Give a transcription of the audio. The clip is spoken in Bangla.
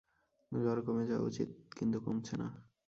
জ্বর কমে যাওয়া উচিত, কিন্তু কমছে না।